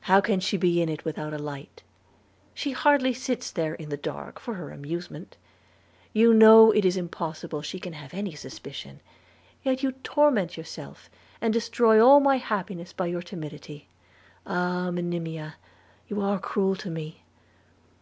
'How can she be in it without a light? She hardly sits there in the dark for her amusement. You know it is impossible she can have any suspicion; yet you torment yourself, and destroy all my happiness by your timidity. Ah, Monimia! you are cruel to me.'